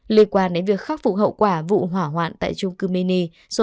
liên quan đến việc khắc phục hậu quả vụ hỏa hoạn tại trung cư mini